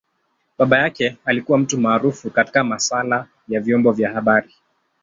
Baba yake alikua mtu maarufu katika masaala ya vyombo vya habari.